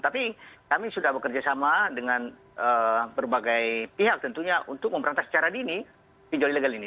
tapi kami sudah bekerja sama dengan berbagai pihak tentunya untuk memberantas secara dini pinjol ilegal ini